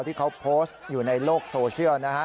ที่เขาโพสต์อยู่ในโลกโซเชียลนะฮะ